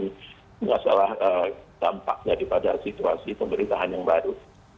tidak salah dampaknya daripada situasi pemerintahan yang baru